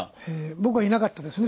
僕はいなかったですね